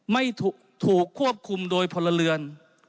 ไม่ถูกควบคุมโดยพลเรือน